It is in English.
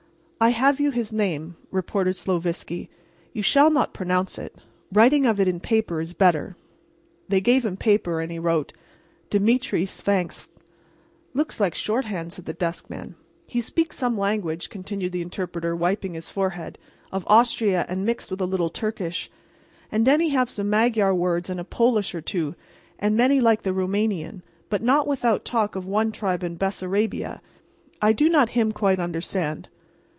"I have you his name," reported Sloviski. "You shall not pronounce it. Writing of it in paper is better." They gave him paper, and he wrote, "Demetre Svangvsk." "Looks like short hand," said the desk man. "He speaks some language," continued the interpreter, wiping his forehead, "of Austria and mixed with a little Turkish. And, den, he have some Magyar words and a Polish or two, and many like the Roumanian, but not without talk of one tribe in Bessarabia. I do not him quite understand."